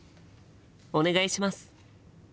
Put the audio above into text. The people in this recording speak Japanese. お願いします！